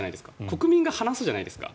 国民が話すじゃないですか。